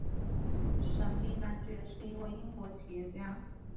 沈弼男爵是一位英国企业家。